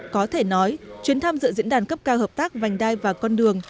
có thể nói chuyến tham dự diễn đàn cấp cao hợp tác vành đai và con đường